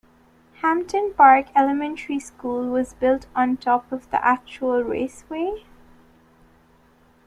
Hampton Park Elementary School was built on top of the actual raceway.